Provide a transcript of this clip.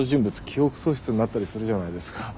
記憶喪失になったりするじゃないですか。